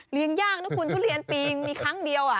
ยากนะคุณทุเรียนปีมีครั้งเดียว